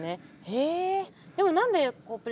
へえ。